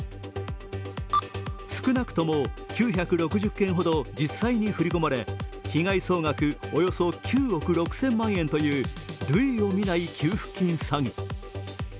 少なくとも９６０件ほど実際に振り込まれ被害総額およそ９億６０００万円という類を見ない給付金詐欺。